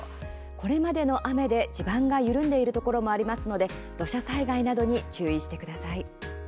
これまでの雨で地盤が緩んでいるところもありますので土砂災害などに注意してください。